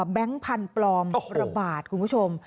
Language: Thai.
พันธุ์ปลอมระบาดคุณผู้ชม